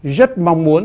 rất mong muốn